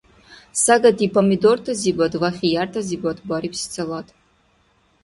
Сагати помидортазибад ва хияртазибад барибси салат.